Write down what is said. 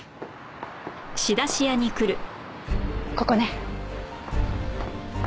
ここね。